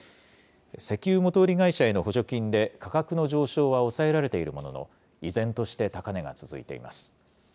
石油元売り会社への補助金で、価格の上昇は抑えられているものの、依然として高値が続いています。